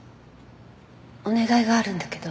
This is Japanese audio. お願いがあるんだけど。